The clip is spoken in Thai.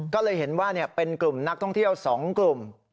ก็เลยเห็นว่าเป็นกลุ่มนักท่องเที่ยว๒กลุ่ม